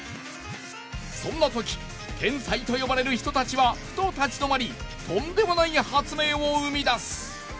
そんなとき天才と呼ばれる人たちはふと立ち止まりとんでもない発明を生み出す。